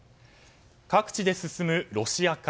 各地で進むロシア化。